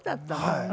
はい。